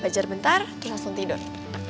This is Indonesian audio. belajar bentar terus langsung tidur